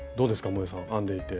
もえさん編んでいて。